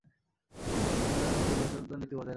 তিনি তার পিতার অনুসৃত নীতি বজায় রাখেন।